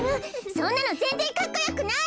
そんなのぜんぜんかっこよくない！